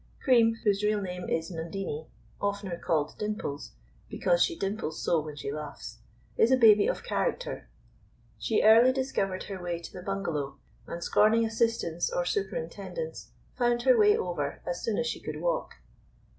Cream, whose real name is Nundinie, oftener called Dimples, because she dimples so when she laughs, is a baby of character. She early discovered her way to the bungalow, and scorning assistance or superintendence found her way over as soon as she could walk.